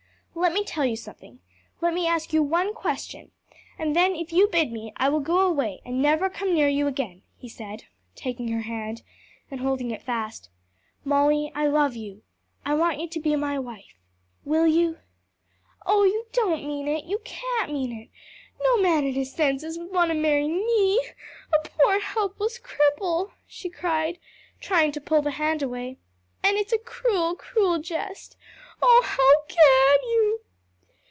"Let me tell you something, let me ask you one question; and then if you bid me, I will go away and never come near you again," he said, taking her hand and holding it fast. "Molly, I love you. I want you to be my wife. Will you?" "Oh you don't mean it! you can't mean it! no man in his senses would want to marry me a poor helpless cripple!" she cried, trying to pull the hand away, "and it's a cruel, cruel jest! Oh how can you!"